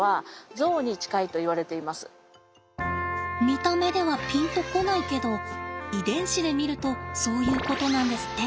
見た目ではピンと来ないけど遺伝子で見るとそういうことなんですって。